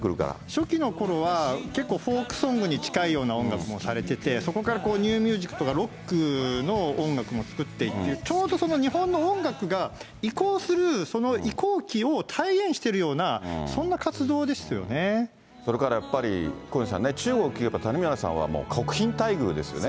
初期のころは結構、フォークソングに近いような音楽もされてて、そこからニューミュージックとかロックの音楽も作っていて、ちょうどその日本の音楽が移行するその移行期を体現してるような、それからやっぱり、小西さんね、中国、やっぱり谷村さんはもう国賓待遇ですよね。